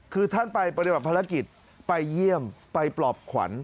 คือท่านไปปฏิบัติภารกิจไปเยี่ยมไปปลอบขวัญ